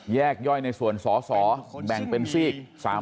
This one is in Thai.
แยกย่อยในส่วนสสแบ่งเป็นซีก